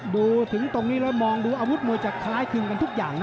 ดูถึงตรงนี้แล้วมองดูอาวุธมวยจะคล้ายคลึงกันทุกอย่างนะ